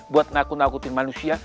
buat nakut nakutin manusia